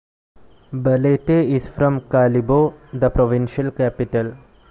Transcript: Balete is from Kalibo, the provincial capital.